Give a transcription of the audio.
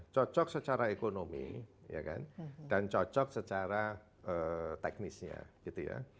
cocok secara ekonomi dan cocok secara teknisnya